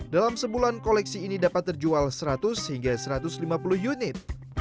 dalam sebulan koleksi ini dapat terjual seratus hingga satu ratus lima puluh unit